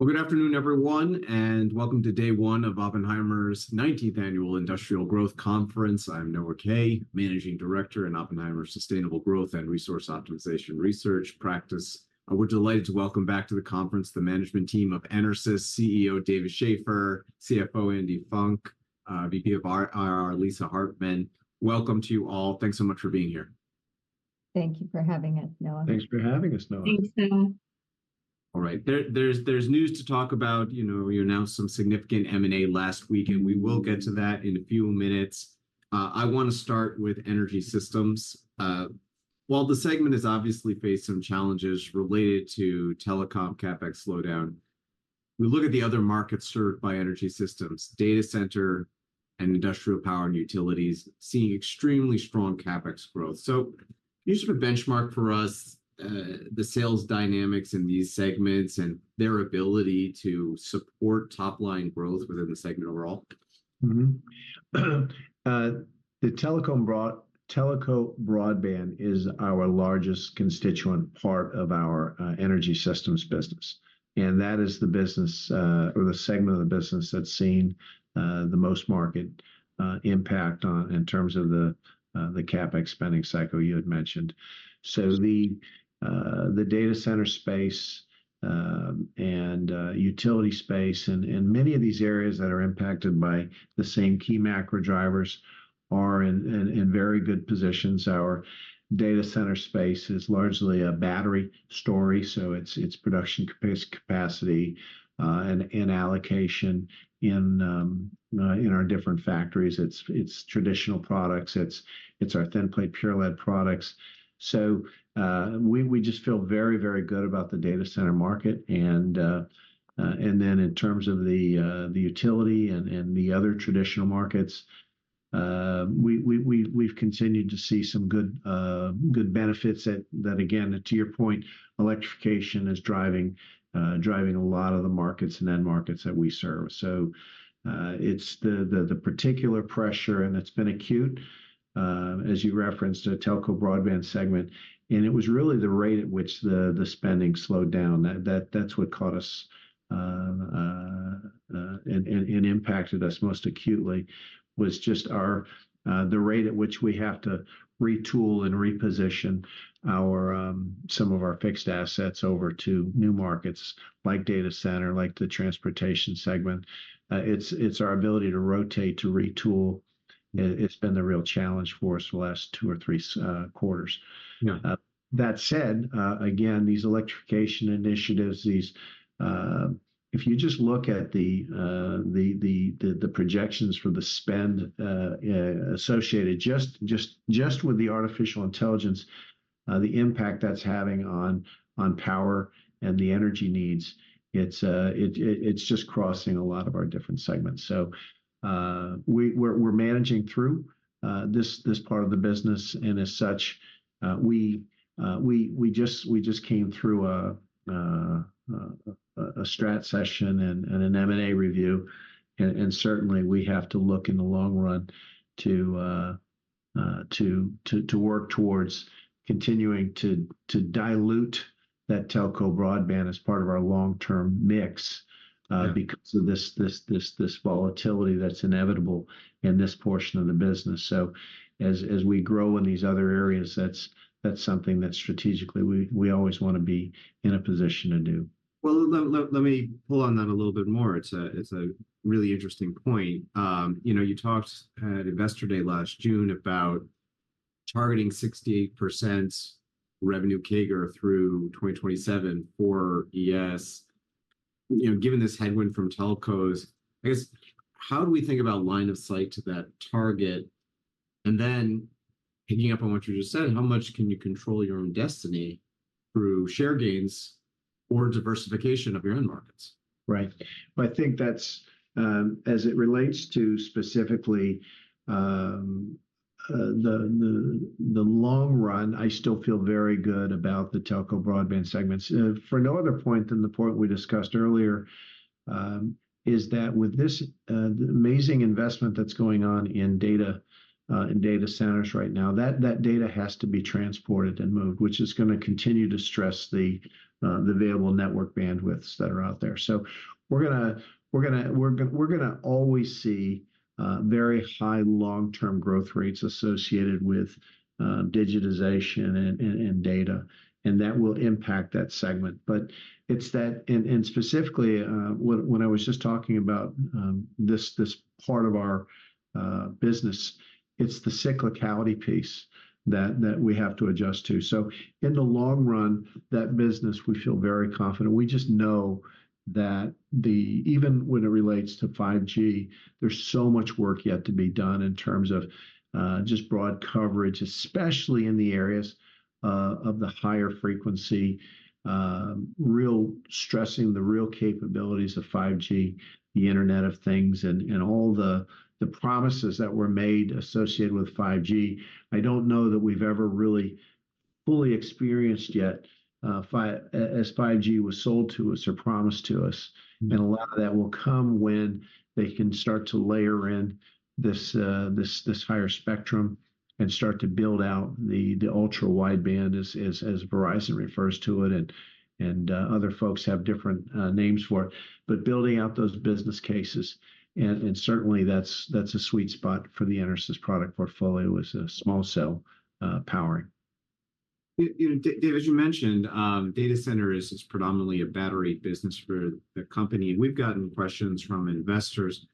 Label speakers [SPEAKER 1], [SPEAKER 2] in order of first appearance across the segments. [SPEAKER 1] Well, good afternoon, everyone, and welcome to day one of Oppenheimer's Nineteenth Annual Industrial Growth Conference. I'm Noah Kaye, managing director in Oppenheimer's Sustainable Growth and Resource Optimization Research practice. We're delighted to welcome back to the conference the management team of EnerSys, CEO David Shaffer, CFO Andy Funk, VP of IR, Lisa Hart. Welcome to you all. Thanks so much for being here.
[SPEAKER 2] Thank you for having us, Noah.
[SPEAKER 3] Thanks for having us, Noah. Thanks, Noah.
[SPEAKER 1] All right. There's news to talk about. You know, you announced some significant M&A last week, and we will get to that in a few minutes. I wanna start with Energy Systems. While the segment has obviously faced some challenges related to telecom CapEx slowdown, we look at the other markets served by Energy Systems, data center and industrial power and utilities, seeing extremely strong CapEx growth. So can you sort of benchmark for us the sales dynamics in these segments and their ability to support top-line growth within the segment overall?
[SPEAKER 3] Mm-hmm. The telco broadband is our largest constituent part of our energy systems business, and that is the business or the segment of the business that's seen the most market impact on in terms of the CapEx spending cycle you had mentioned. So the data center space and utility space and many of these areas that are impacted by the same key macro drivers are in very good positions. Our data center space is largely a battery story, so it's production capacity and allocation in our different factories. It's traditional products. It's our Thin Plate Pure Lead products. So we just feel very good about the data center market. And then in terms of the utility and the other traditional markets, we've continued to see some good benefits that again, to your point, electrification is driving a lot of the markets and end markets that we serve. So, it's the particular pressure, and it's been acute, as you referenced, a telco broadband segment, and it was really the rate at which the spending slowed down. That's what caught us and impacted us most acutely was just the rate at which we have to retool and reposition some of our fixed assets over to new markets, like data center, like the transportation segment. It's our ability to rotate, to retool. It's been the real challenge for us the last two or three quarters.
[SPEAKER 1] Yeah.
[SPEAKER 3] That said, again, these electrification initiatives. If you just look at the projections for the spend associated just with the artificial intelligence, the impact that's having on power and the energy needs, it's just crossing a lot of our different segments. So, we're managing through this part of the business, and as such, we just came through a strat session and an M&A review. And certainly we have to look in the long run to work towards continuing to dilute that telco broadband as part of our long-term mix-
[SPEAKER 1] Yeah...
[SPEAKER 3] because of this volatility that's inevitable in this portion of the business. So as we grow in these other areas, that's something that strategically we always wanna be in a position to do.
[SPEAKER 1] Well, let me pull on that a little bit more. It's a really interesting point. You know, you talked at Investor Day last June about targeting 68% revenue CAGR through 2027 for ES. You know, given this headwind from telcos, I guess, how do we think about line of sight to that target? And then picking up on what you just said, how much can you control your own destiny through share gains or diversification of your own markets?
[SPEAKER 3] Right. Well, I think that's as it relates to specifically the long run. I still feel very good about the telco broadband segments. For no other point than the point we discussed earlier is that with this amazing investment that's going on in data in data centers right now, that data has to be transported and moved, which is gonna continue to stress the available network bandwidths that are out there. So we're gonna always see very high long-term growth rates associated with digitization and data, and that will impact that segment. But it's that and specifically when I was just talking about this part of our business, it's the cyclicality piece that we have to adjust to. So in the long run, that business, we feel very confident. We just know that even when it relates to 5G, there's so much work yet to be done in terms of just broad coverage, especially in the areas of the higher frequency, stressing the real capabilities of 5G, the Internet of Things, and all the promises that were made associated with 5G. I don't know that we've ever really fully experienced yet as 5G was sold to us or promised to us. And a lot of that will come when they can start to layer in this higher spectrum and start to build out the ultra-wideband, as Verizon refers to it, and other folks have different names for it. But building out those business cases, and certainly that's a sweet spot for the EnerSys product portfolio is small cell powering.
[SPEAKER 1] You know, Dave, as you mentioned, data center is predominantly a battery business for the company. And we've gotten questions from investors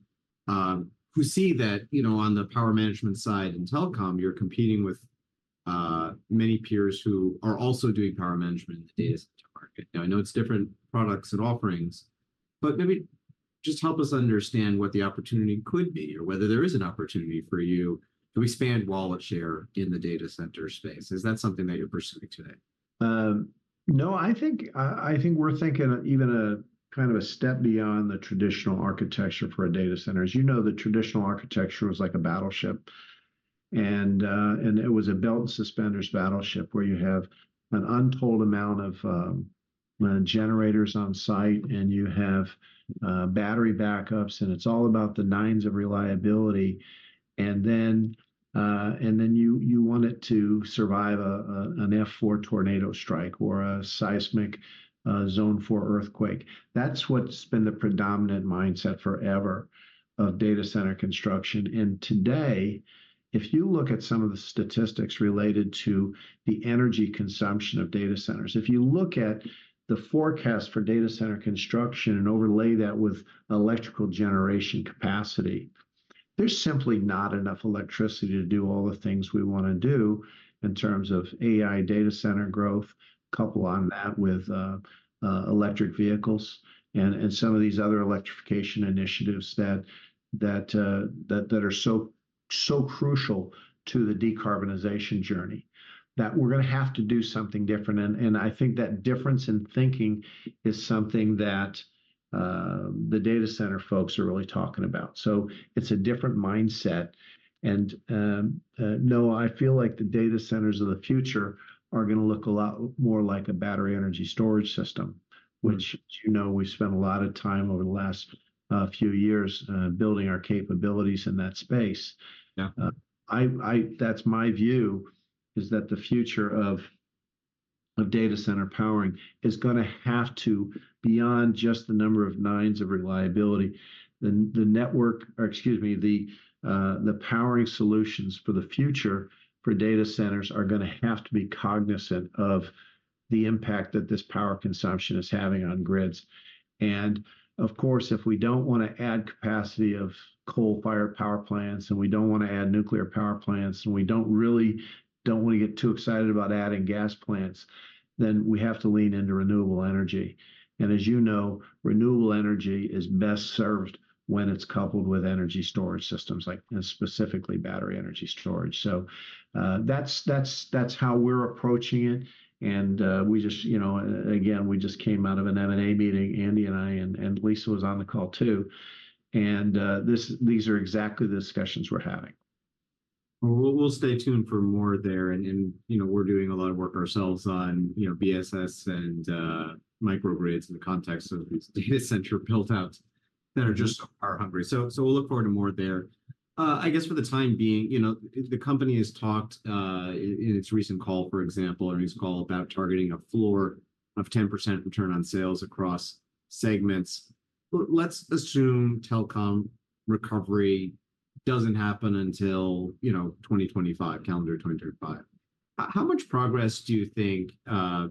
[SPEAKER 1] who see that, you know, on the power management side in telecom, you're competing with many peers who are also doing power management in the data center market. Now, I know it's different products and offerings, but maybe just help us understand what the opportunity could be, or whether there is an opportunity for you to expand wallet share in the data center space. Is that something that you're pursuing today?
[SPEAKER 3] No, I think we're thinking even a kind of a step beyond the traditional architecture for a data center. As you know, the traditional architecture was like a battleship, and it was a belt and suspenders battleship, where you have an untold amount of generators on site, and you have battery backups, and it's all about the nines of reliability. And then you want it to survive an F4 tornado strike or a seismic zone four earthquake. That's what's been the predominant mindset forever of data center construction. Today, if you look at some of the statistics related to the energy consumption of data centers, if you look at the forecast for data center construction and overlay that with electrical generation capacity, there's simply not enough electricity to do all the things we wanna do in terms of AI data center growth. Couple on that with electric vehicles and some of these other electrification initiatives that are so crucial to the decarbonization journey, that we're gonna have to do something different. And I think that difference in thinking is something that the data center folks are really talking about. So it's a different mindset, and no, I feel like the data centers of the future are gonna look a lot more like a battery energy storage system, which, you know, we've spent a lot of time over the last few years building our capabilities in that space.
[SPEAKER 1] Yeah.
[SPEAKER 3] That's my view, is that the future of data center powering is gonna have to, beyond just the number of nines of reliability, the powering solutions for the future for data centers are gonna have to be cognizant of the impact that this power consumption is having on grids. And of course, if we don't wanna add capacity of coal-fired power plants, and we don't wanna add nuclear power plants, and we don't really don't wanna get too excited about adding gas plants, then we have to lean into renewable energy. And as you know, renewable energy is best served when it's coupled with energy storage systems like, and specifically battery energy storage. So, that's how we're approaching it, and we just, you know, again, we just came out of an M&A meeting, Andy and I, and Lisa was on the call too, and these are exactly the discussions we're having.
[SPEAKER 1] Well, we'll stay tuned for more there. And you know, we're doing a lot of work ourselves on, you know, BESS and microgrids in the context of these data center build-outs that are just power hungry. So we'll look forward to more there. I guess for the time being, you know, the company has talked in its recent call, for example, earnings call, about targeting a floor of 10% return on sales across segments. Let's assume telecom recovery doesn't happen until, you know, 2025, calendar 2025. How much progress do you think,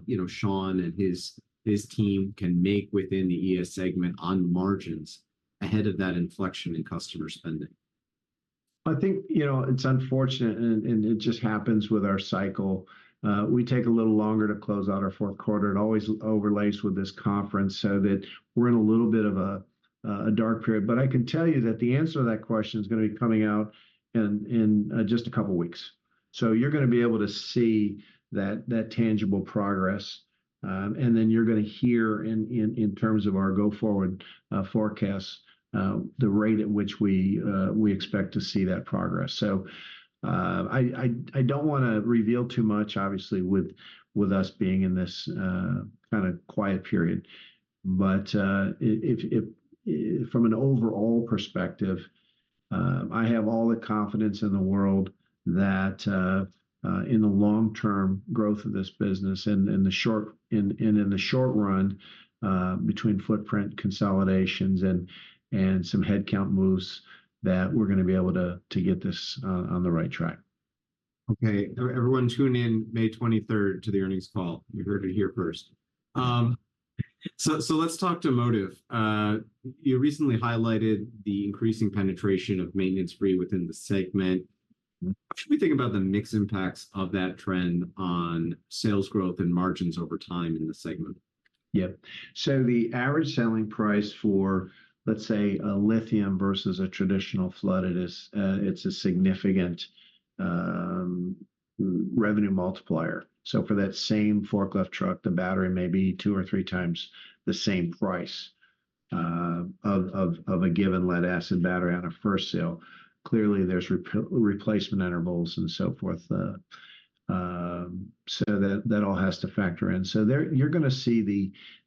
[SPEAKER 1] you know, Shawn and his team can make within the ES segment on margins ahead of that inflection in customer spending?
[SPEAKER 3] I think, you know, it's unfortunate, and it just happens with our cycle, we take a little longer to close out our fourth quarter. It always overlays with this conference so that we're in a little bit of a dark period. But I can tell you that the answer to that question is gonna be coming out in just a couple weeks. So you're gonna be able to see that tangible progress, and then you're gonna hear in terms of our go-forward forecast, the rate at which we expect to see that progress. So, I don't wanna reveal too much, obviously, with us being in this kind of quiet period. But, if from an overall perspective, I have all the confidence in the world that in the long-term growth of this business and in the short run, between footprint consolidations and some headcount moves, that we're gonna be able to get this on the right track.
[SPEAKER 1] Okay, everyone, tune in May 23rd to the earnings call. You heard it here first. So let's talk to Motive. You recently highlighted the increasing penetration of maintenance-free within the segment.
[SPEAKER 3] Mm-hmm.
[SPEAKER 1] How should we think about the mixed impacts of that trend on sales growth and margins over time in the segment?
[SPEAKER 3] Yep. So the average selling price for, let's say, a lithium versus a traditional flooded is, it's a significant revenue multiplier. So for that same forklift truck, the battery may be two or three times the same price of a given lead-acid battery on a first sale. Clearly, there's replacement intervals and so forth. So that all has to factor in. So there, you're gonna see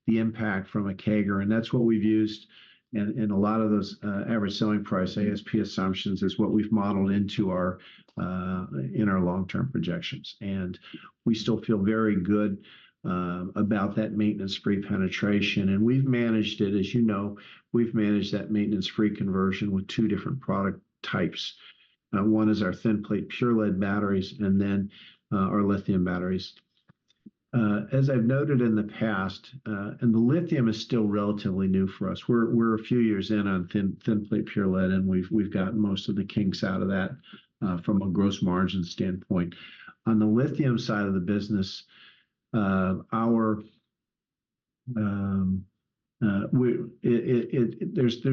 [SPEAKER 3] the impact from a CAGR, and that's what we've used in a lot of those average selling price, ASP assumptions, is what we've modeled into our long-term projections. And we still feel very good about that maintenance-free penetration, and we've managed it. As you know, we've managed that maintenance-free conversion with two different product types. One is our Thin Plate Pure Lead batteries, and then, our lithium batteries. As I've noted in the past, the lithium is still relatively new for us. We're a few years in on Thin Plate Pure Lead, and we've gotten most of the kinks out of that, from a gross margin standpoint. On the lithium side of the business, there's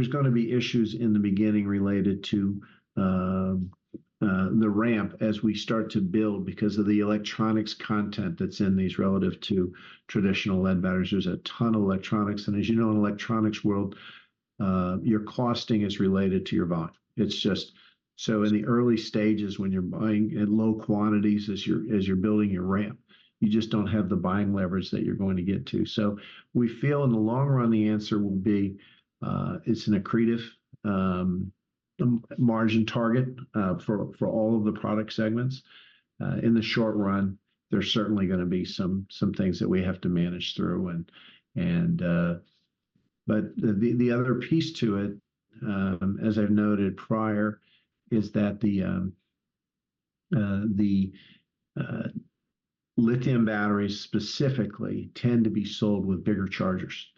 [SPEAKER 3] gonna be issues in the beginning related to the ramp as we start to build because of the electronics content that's in these relative to traditional lead batteries. There's a ton of electronics, and as you know, in the electronics world, your costing is related to your volume. It's just... So in the early stages, when you're buying at low quantities as you're building your ramp, you just don't have the buying leverage that you're going to get to. So we feel in the long run, the answer will be, it's an accretive margin target for all of the product segments. In the short run, there's certainly gonna be some things that we have to manage through. But the other piece to it, as I've noted prior, is that the lithium batteries specifically tend to be sold with bigger chargers.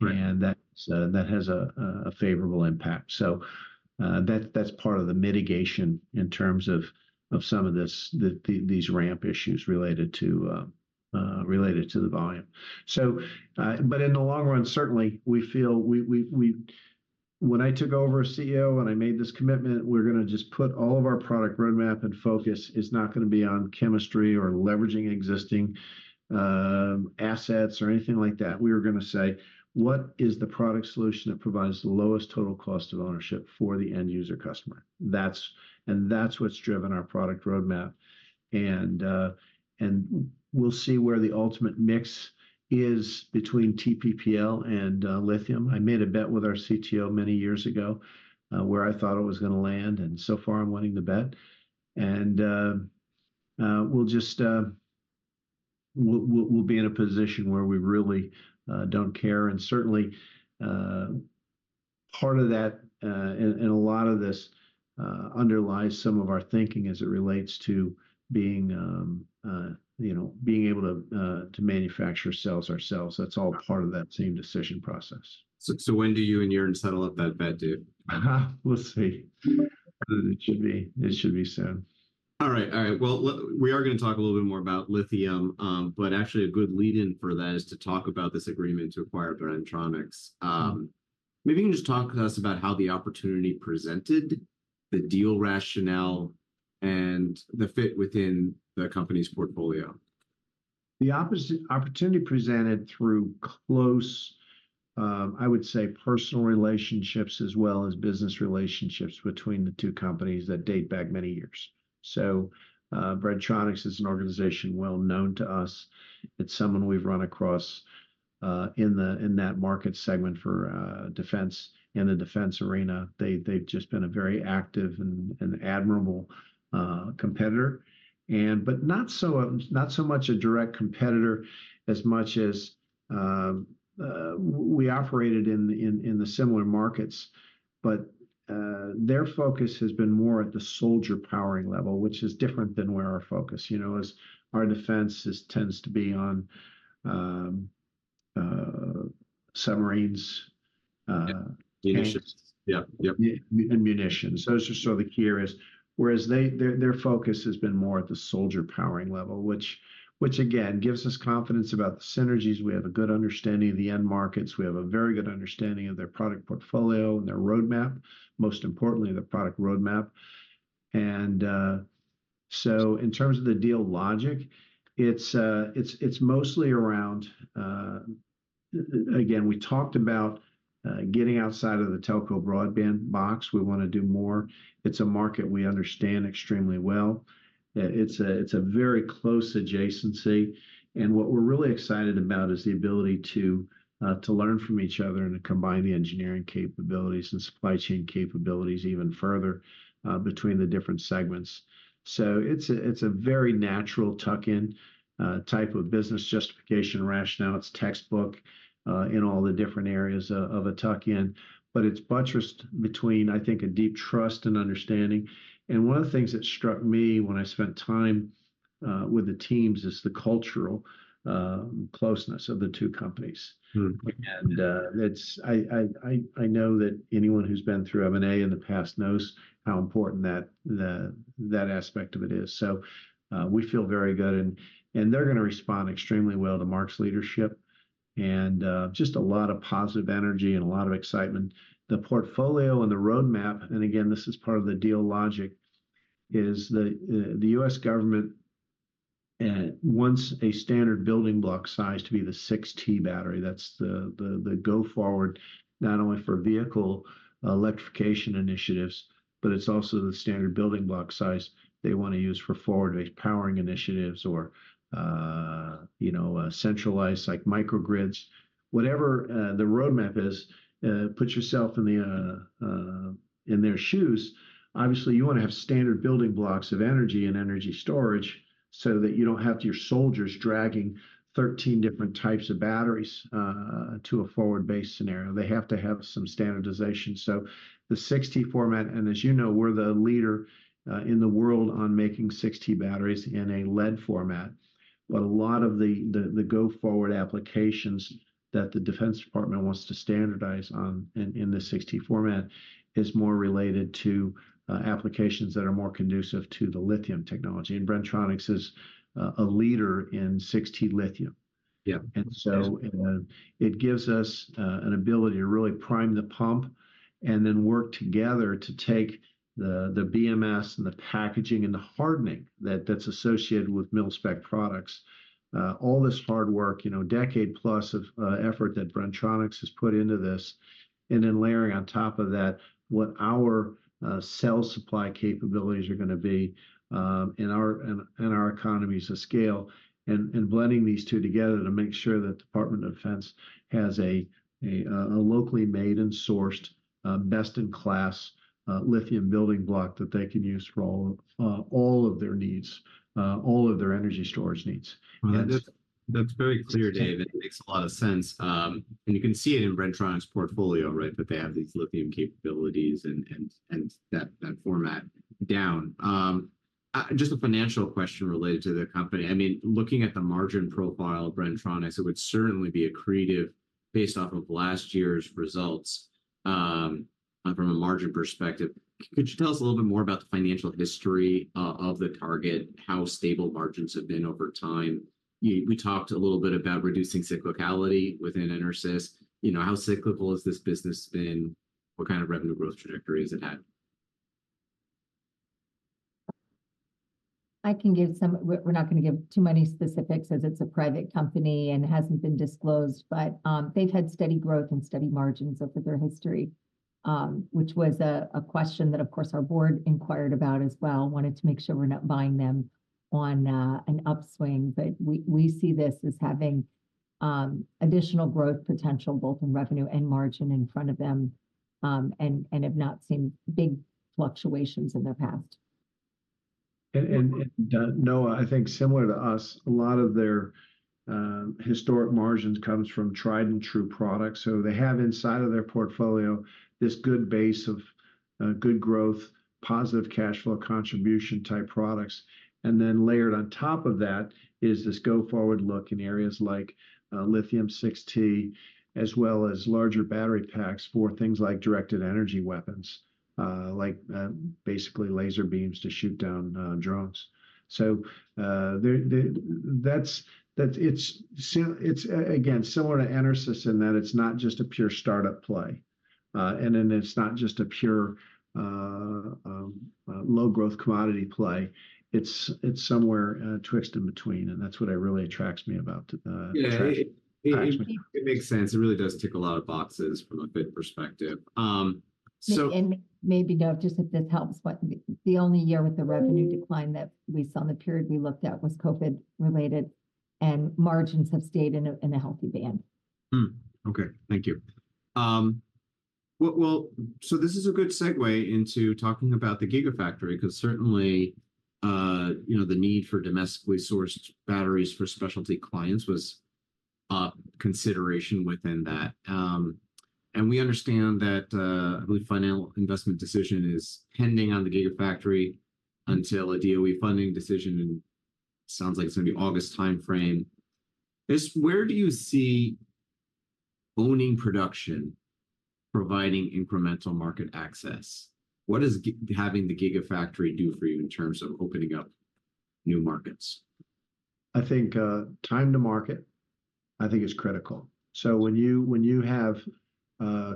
[SPEAKER 1] Right.
[SPEAKER 3] And that's that has a favorable impact. So that's part of the mitigation in terms of some of these ramp issues related to the volume. But in the long run, certainly we feel... When I took over as CEO and I made this commitment, we're gonna just put all of our product roadmap and focus is not gonna be on chemistry or leveraging existing assets or anything like that. We are gonna say, "What is the product solution that provides the lowest total cost of ownership for the end user customer?" That's, and that's what's driven our product roadmap. And we'll see where the ultimate mix is between TPPL and lithium. I made a bet with our CTO many years ago, where I thought it was gonna land, and so far I'm winning the bet. And we'll just be in a position where we really don't care. And certainly part of that and a lot of this underlies some of our thinking as it relates to being, you know, being able to manufacture cells ourselves. That's all part of that same decision process.
[SPEAKER 1] So, when do you and Joern settle up that bet, dude?
[SPEAKER 3] We'll see. But it should be soon.
[SPEAKER 1] All right, all right. Well, we are gonna talk a little bit more about lithium. But actually a good lead in for that is to talk about this agreement to acquire Bren-Tronics. Maybe you can just talk to us about how the opportunity presented, the deal rationale, and the fit within the company's portfolio.
[SPEAKER 3] The opportunity presented through close, I would say, personal relationships, as well as business relationships between the two companies that date back many years. So, Bren-Tronics is an organization well known to us. It's someone we've run across in that market segment for defense, in the defense arena. They've just been a very active and admirable competitor. But not so, not so much a direct competitor as much as we operated in the similar markets, but their focus has been more at the soldier powering level, which is different than where our focus, you know, is. Our defense tends to be on submarines.
[SPEAKER 1] Munitions. Yep, yep.
[SPEAKER 3] Munitions. Those are sort of the key areas. Whereas their focus has been more at the soldier powering level, which again gives us confidence about the synergies. We have a good understanding of the end markets. We have a very good understanding of their product portfolio and their roadmap, most importantly, their product roadmap. So in terms of the deal logic, it's mostly around again we talked about getting outside of the telco broadband box. We wanna do more. It's a market we understand extremely well. It's a very close adjacency, and what we're really excited about is the ability to learn from each other and to combine the engineering capabilities and supply chain capabilities even further between the different segments. So it's a, it's a very natural tuck-in type of business justification rationale. It's textbook in all the different areas of a tuck-in, but it's buttressed between, I think, a deep trust and understanding. And one of the things that struck me when I spent time with the teams is the cultural closeness of the two companies.
[SPEAKER 1] Mm.
[SPEAKER 3] I know that anyone who's been through M&A in the past knows how important that aspect of it is. So, we feel very good, and they're gonna respond extremely well to Mark's leadership, and just a lot of positive energy and a lot of excitement. The portfolio and the roadmap, and again, this is part of the deal logic, is the U.S. government and once a standard building block size to be the 6T battery, that's the go forward, not only for vehicle electrification initiatives, but it's also the standard building block size they wanna use for forward-based powering initiatives or you know, centralized, like microgrids. Whatever the roadmap is, put yourself in their shoes. Obviously, you wanna have standard building blocks of energy and energy storage so that you don't have your soldiers dragging 13 different types of batteries to a forward-based scenario. They have to have some standardization. So the 6T format, and as you know, we're the leader in the world on making 6T batteries in a lead format. But a lot of the go-forward applications that the Department of Defense wants to standardize on in the 6T format is more related to applications that are more conducive to the lithium technology, and Bren-Tronics is a leader in 6T lithium.
[SPEAKER 1] Yeah.
[SPEAKER 3] And so, it gives us an ability to really prime the pump and then work together to take the BMS and the packaging and the hardening that's associated with mil-spec products. All this hard work, you know, decade plus of effort that Bren-Tronics has put into this, and then layering on top of that, what our cell supply capabilities are gonna be in our economies of scale, and blending these two together to make sure that Department of Defense has a locally made and sourced best-in-class lithium building block that they can use for all of their needs, all of their energy storage needs.
[SPEAKER 1] Well, that, that's very clear, Dave. It makes a lot of sense. And you can see it in Bren-Tronics' portfolio, right, that they have these lithium capabilities and that format down. Just a financial question related to the company. I mean, looking at the margin profile of Bren-Tronics, it would certainly be accretive based off of last year's results, from a margin perspective. Could you tell us a little bit more about the financial history of the target, how stable margins have been over time? We talked a little bit about reducing cyclicality within EnerSys. You know, how cyclical has this business been? What kind of revenue growth trajectory has it had?
[SPEAKER 2] I can give some. We're not gonna give too many specifics, as it's a private company and hasn't been disclosed, but they've had steady growth and steady margins over their history, which was a question that, of course, our board inquired about as well. Wanted to make sure we're not buying them on an upswing. But we see this as having additional growth potential, both in revenue and margin in front of them, and have not seen big fluctuations in their past.
[SPEAKER 3] Noah, I think similar to us, a lot of their historic margins comes from tried-and-true products. So they have inside of their portfolio this good base of good growth, positive cash flow contribution-type products. And then layered on top of that is this go-forward look in areas like lithium 6T, as well as larger battery packs for things like directed energy weapons, like basically laser beams to shoot down drones. So again, similar to EnerSys in that it's not just a pure startup play, and then it's not just a pure low growth commodity play. It's somewhere twixt in between, and that's what really attracts me about Bren-Tronics.
[SPEAKER 1] Yeah, it makes sense. It really does tick a lot of boxes from a fit perspective.
[SPEAKER 2] And maybe note, just if this helps, but the only year with the revenue decline that we saw in the period we looked at was COVID-related, and margins have stayed in a healthy band.
[SPEAKER 1] Hmm, okay. Thank you. Well, well, so this is a good segue into talking about the gigafactory, 'cause certainly, you know, the need for domestically sourced batteries for specialty clients was consideration within that. And we understand that, I believe final investment decision is pending on the gigafactory until a DOE funding decision, and sounds like it's gonna be August timeframe. Where do you see owning production providing incremental market access? What does having the gigafactory do for you in terms of opening up new markets?
[SPEAKER 3] I think time to market, I think, is critical. So when you have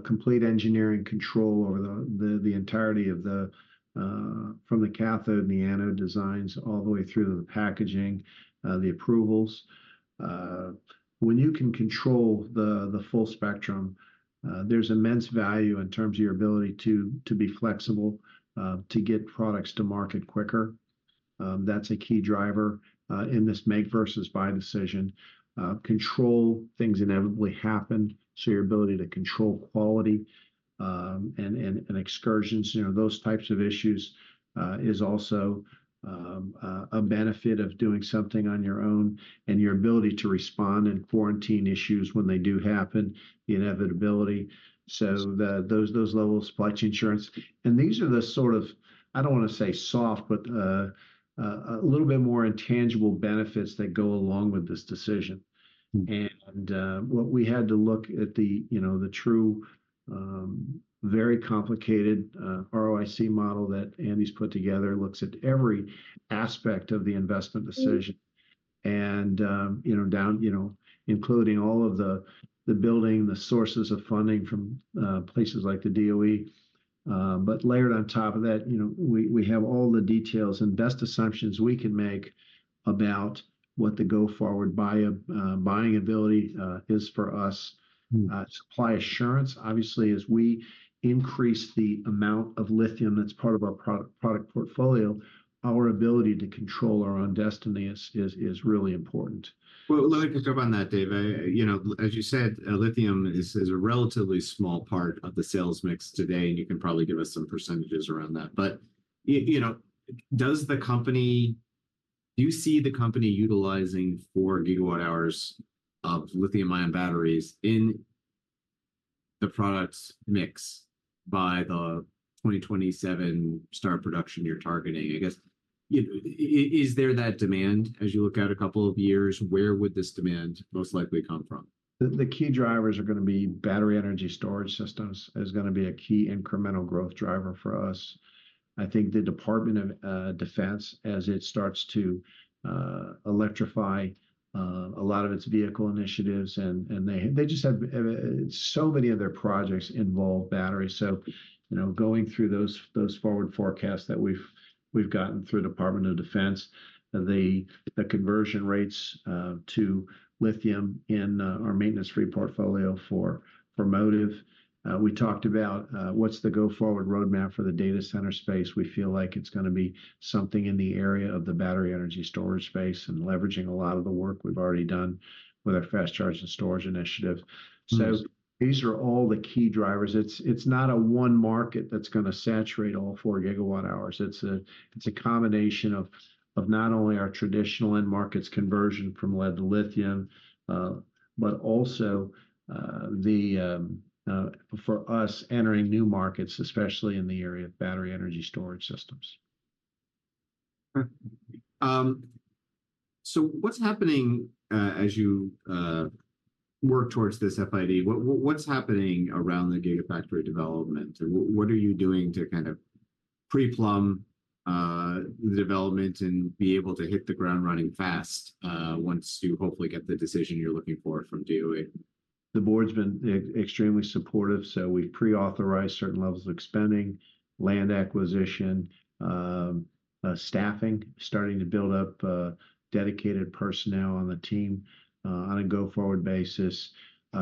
[SPEAKER 3] complete engineering control over the entirety from the cathode and the anode designs, all the way through to the packaging, the approvals. When you can control the full spectrum, there's immense value in terms of your ability to be flexible, to get products to market quicker. That's a key driver in this make versus buy decision. Control, things inevitably happen, so your ability to control quality and excursions, you know, those types of issues, is also a benefit of doing something on your own, and your ability to respond and quarantine issues when they do happen, the inevitability. So those levels of supply chain insurance. These are the sort of, I don't wanna say soft, but, a little bit more intangible benefits that go along with this decision.
[SPEAKER 1] Mm.
[SPEAKER 3] What we had to look at, you know, the true very complicated ROIC model that Andy's put together looks at every aspect of the investment decision. You know, down, you know, including all of the building, the sources of funding from places like the DOE. But layered on top of that, you know, we have all the details and best assumptions we can make about what the go-forward buying ability is for us.
[SPEAKER 1] Mm.
[SPEAKER 3] Supply assurance, obviously, as we increase the amount of lithium that's part of our product portfolio, our ability to control our own destiny is really important.
[SPEAKER 1] Well, let me pick up on that, Dave. You know, as you said, lithium is a relatively small part of the sales mix today, and you can probably give us some percentages around that. But you know, does the company... Do you see the company utilizing 4 GWh of lithium-ion batteries in the products mix by the 2027 start production you're targeting? I guess, is there that demand as you look out a couple of years? Where would this demand most likely come from?
[SPEAKER 3] The key drivers are gonna be battery energy storage systems is gonna be a key incremental growth driver for us. I think the Department of Defense, as it starts to electrify a lot of its vehicle initiatives, and they just have so many of their projects involve batteries. So, you know, going through those forward forecasts that we've gotten through Department of Defense, the conversion rates to lithium in our maintenance-free portfolio for Motive. We talked about what's the go-forward roadmap for the data center space. We feel like it's gonna be something in the area of the battery energy storage space and leveraging a lot of the work we've already done with our fast charge and storage initiative.
[SPEAKER 1] Mm.
[SPEAKER 3] So these are all the key drivers. It's, it's not a one market that's gonna saturate all 4 gigawatt-hours. It's a, it's a combination of, of not only our traditional end markets conversion from lead to lithium, but also, for us entering new markets, especially in the area of battery energy storage systems.
[SPEAKER 1] What's happening as you work towards this FID? What, what's happening around the Gigafactory development, and what are you doing to kind of pre-plumb the development and be able to hit the ground running fast once you hopefully get the decision you're looking for from DOE?
[SPEAKER 3] The board's been extremely supportive, so we've pre-authorized certain levels of spending, land acquisition, staffing, starting to build up dedicated personnel on the team on a go-forward basis.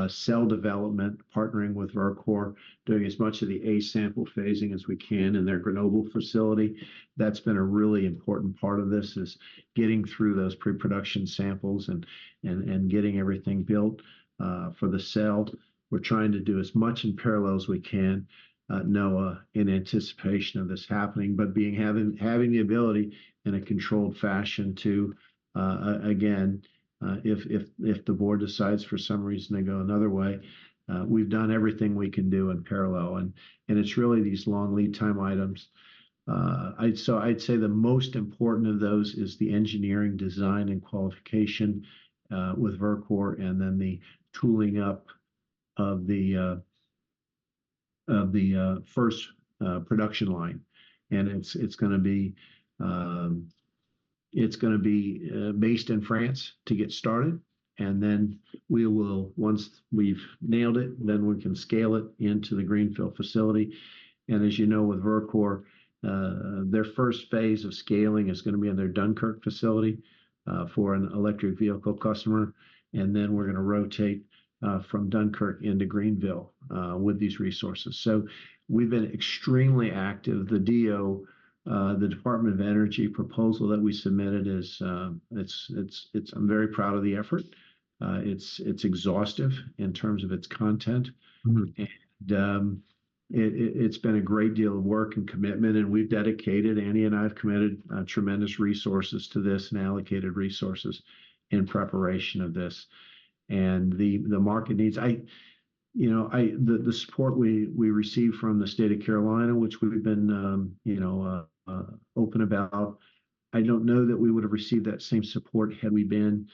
[SPEAKER 3] Cell development, partnering with Verkor, doing as much of the A-sample phasing as we can in their Grenoble facility. That's been a really important part of this, is getting through those pre-production samples and getting everything built for the cell. We're trying to do as much in parallel as we can, Noah, in anticipation of this happening. But being having the ability in a controlled fashion to again, if the board decides for some reason to go another way, we've done everything we can do in parallel, and it's really these long lead time items. I'd... So I'd say the most important of those is the engineering design and qualification with Verkor, and then the tooling up of the first production line. And it's gonna be based in France to get started, and then we will, once we've nailed it, then we can scale it into the Greenville facility. And as you know, with Verkor, their first phase of scaling is gonna be in their Dunkirk facility for an electric vehicle customer, and then we're gonna rotate from Dunkirk into Greenville with these resources. So we've been extremely active. The DOE proposal that we submitted is... I'm very proud of the effort. It's exhaustive in terms of its content.
[SPEAKER 1] Mm-hmm.
[SPEAKER 3] It's been a great deal of work and commitment, and we've dedicated, Andy and I have committed, tremendous resources to this and allocated resources in preparation of this. And the market needs—you know, the support we received from the State of South Carolina, which we've been, you know, open about. I don't know that we would've received that same support had we been,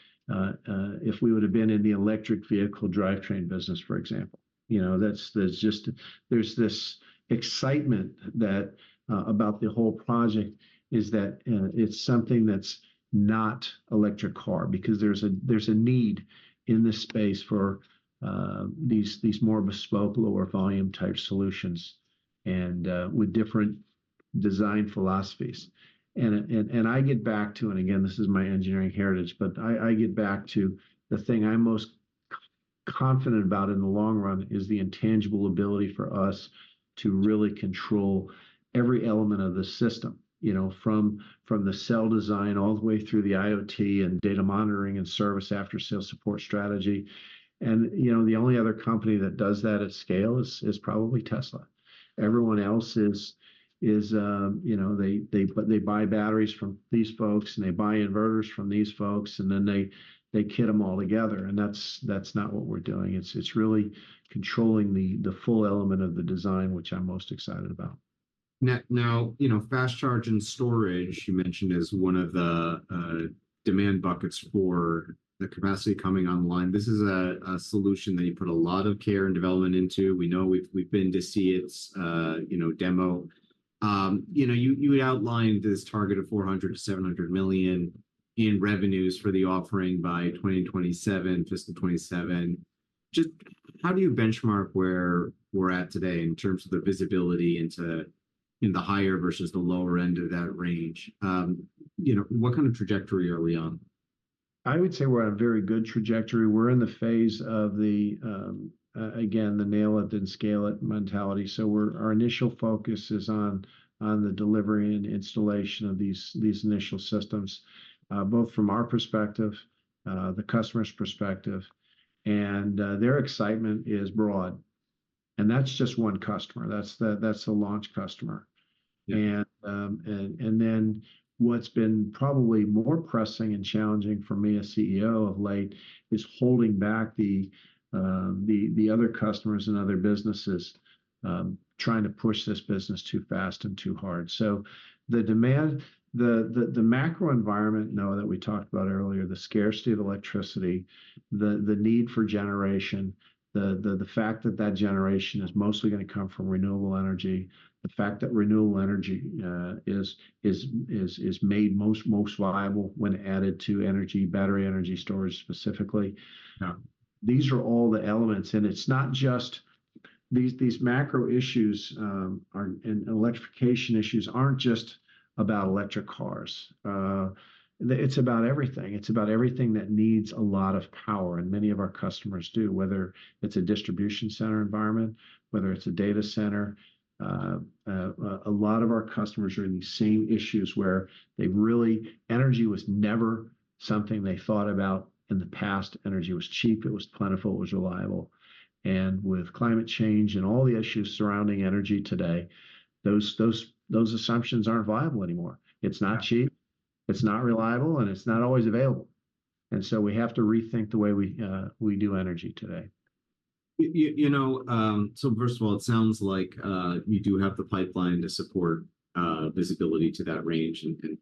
[SPEAKER 3] if we would've been in the electric vehicle drivetrain business, for example. You know, that's, there's just, there's this excitement about the whole project, is that, it's something that's not electric car. Because there's a need in this space for these more bespoke, lower volume type solutions and with different design philosophies. I get back to, and again, this is my engineering heritage, but I get back to the thing I'm most confident about in the long run is the intangible ability for us to really control every element of the system, you know, from the cell design all the way through the IoT and data monitoring and service after sales support strategy. And, you know, the only other company that does that at scale is probably Tesla. Everyone else is, you know, they buy batteries from these folks, and they buy inverters from these folks, and then they kit them all together, and that's not what we're doing. It's really controlling the full element of the design, which I'm most excited about.
[SPEAKER 1] Now, you know, Fast Charge and Storage, you mentioned, is one of the demand buckets for the capacity coming online. This is a solution that you put a lot of care and development into. We know, we've been to see it, you know, demo. You know, you outlined this target of $400 million-$700 million in revenues for the offering by 2027, fiscal 2027. Just how do you benchmark where we're at today in terms of the visibility into the higher versus the lower end of that range? You know, what kind of trajectory are we on?
[SPEAKER 3] I would say we're on a very good trajectory. We're in the phase of the, again, the nail it and scale it mentality. So our initial focus is on the delivery and installation of these initial systems, both from our perspective, the customer's perspective, and their excitement is broad. And that's just one customer. That's the launch customer.
[SPEAKER 1] Yeah.
[SPEAKER 3] And then what's been probably more pressing and challenging for me as CEO of late is holding back the other customers and other businesses trying to push this business too fast and too hard. So the demand, the macro environment, Noah, that we talked about earlier, the scarcity of electricity, the need for generation, the fact that that generation is mostly gonna come from renewable energy, the fact that renewable energy is made most viable when added to energy, battery energy storage specifically.
[SPEAKER 1] Yeah...
[SPEAKER 3] these are all the elements. It's not just these; these macro issues and electrification issues aren't just about electric cars. It's about everything. It's about everything that needs a lot of power, and many of our customers do, whether it's a distribution center environment, whether it's a data center. A lot of our customers are in the same issues, where they really... Energy was never something they thought about in the past. Energy was cheap, it was plentiful, it was reliable. And with climate change and all the issues surrounding energy today, those assumptions aren't viable anymore. It's not cheap, it's not reliable, and it's not always available, and so we have to rethink the way we do energy today.
[SPEAKER 1] You know, so first of all, it sounds like you do have the pipeline to support visibility to that range, and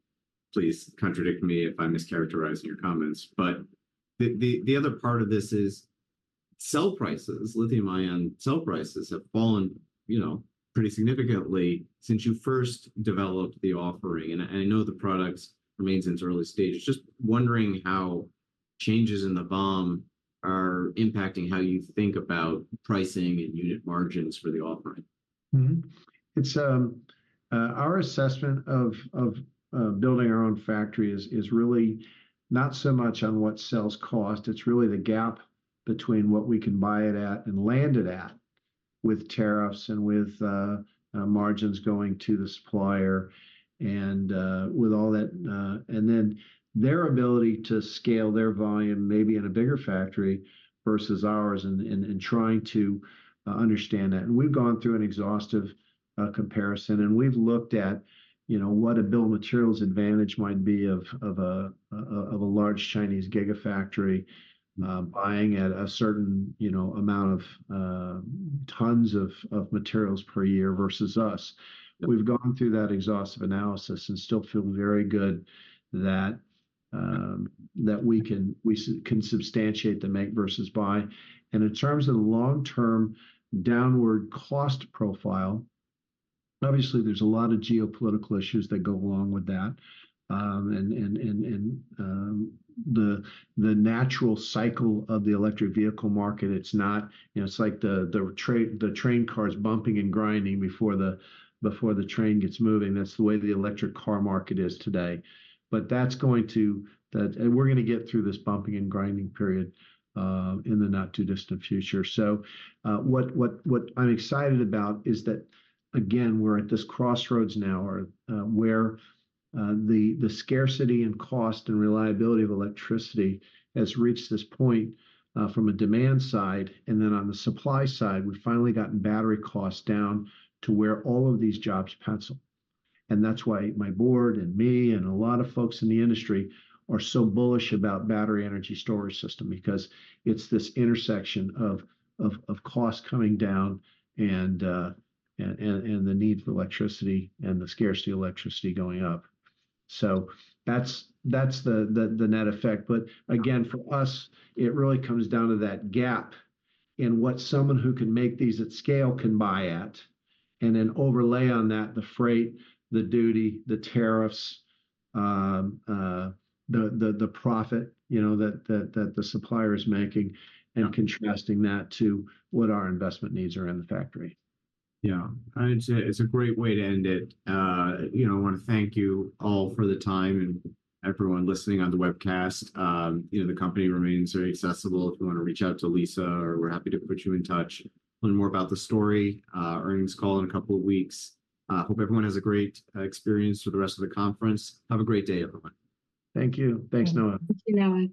[SPEAKER 1] please contradict me if I'm mischaracterizing your comments. But the other part of this is cell prices, lithium-ion cell prices have fallen, you know, pretty significantly since you first developed the offering. And I know the products remains in its early stages. Just wondering how changes in the BOM are impacting how you think about pricing and unit margins for the offering.
[SPEAKER 3] Mm-hmm. It's our assessment of building our own factory is really not so much on what cells cost, it's really the gap between what we can buy it at and land it at, with tariffs and with margins going to the supplier, and with all that. And then their ability to scale their volume may be in a bigger factory versus ours, and trying to understand that. And we've gone through an exhaustive comparison, and we've looked at, you know, what a bill of materials advantage might be of a large Chinese gigafactory, buying at a certain, you know, amount of tons of materials per year versus us. We've gone through that exhaustive analysis and still feel very good that we can substantiate the make versus buy. In terms of the long-term downward cost profile, obviously there's a lot of geopolitical issues that go along with that. The natural cycle of the electric vehicle market, it's not... You know, it's like the train cars bumping and grinding before the train gets moving. That's the way the electric car market is today. But that's going to – and we're gonna get through this bumping and grinding period in the not-too-distant future. So, what I'm excited about is that, again, we're at this crossroads now, or where the scarcity and cost and reliability of electricity has reached this point from a demand side. And then on the supply side, we've finally gotten battery costs down to where all of these jobs pencil. And that's why my board and me, and a lot of folks in the industry, are so bullish about Battery Energy Storage System, because it's this intersection of costs coming down and the need for electricity, and the scarcity of electricity going up. So that's the net effect. But again, for us, it really comes down to that gap in what someone who can make these at scale can buy at, and then overlay on that the freight, the duty, the tariffs, the profit, you know, that the supplier is making, and contrasting that to what our investment needs are in the factory.
[SPEAKER 1] Yeah. And it's a great way to end it. You know, I want to thank you all for the time, and everyone listening on the webcast. You know, the company remains very accessible. If you want to reach out to Lisa, or we're happy to put you in touch, learn more about the story, earnings call in a couple of weeks. Hope everyone has a great experience for the rest of the conference. Have a great day, everyone.
[SPEAKER 3] Thank you. Thanks, Noah.
[SPEAKER 2] Thank you, Noah.